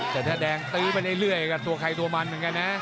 แต่ถ้าแดงตื้อไปเรื่อยก็ตัวใครตัวมันเหมือนกันนะ